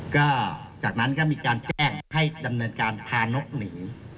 ก็จากนั้นก็มีการแจ้งให้ดำเนินการพานกหนี